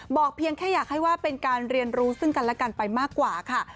เพียงแค่อยากให้ว่าเป็นการเรียนรู้ซึ่งกันและกันไปมากกว่าค่ะ